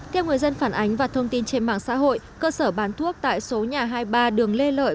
theo người dân phản ánh và thông tin trên mạng xã hội cơ sở bán thuốc tại số nhà hai mươi ba đường lê lợi